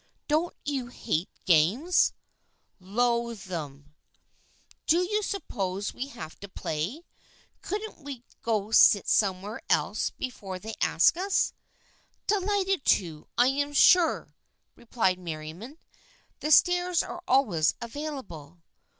Don't you hate games? "" Loathe them." THE FRIENDSHIP OF ANNE 161 " Do you suppose we have to play ? Couldn't we go sit somewhere else before they ask us ?"" Delighted to, I am sure," replied Merriam. " The stairs are always available."